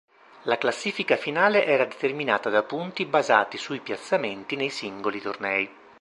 La classifica finale era determinata da punti basati sui piazzamenti nei singoli tornei.